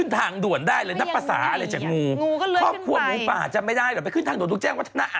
ทางด่วนด้วยโอเค